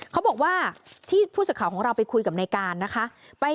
เขาบอกว่าที่ผู้สื่อข่าวของเราไปคุยกับในการนะคะ